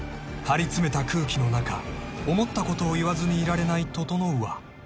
［張り詰めた空気の中思ったことを言わずにいられない整は］